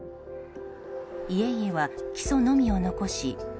家々は基礎のみを残し